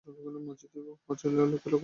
মসজিদে পৌঁছে দেখি, লোকে-লোকারণ্য।